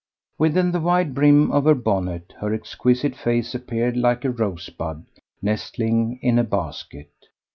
Within the wide brim of her bonnet her exquisite face appeared like a rosebud nestling in a basket.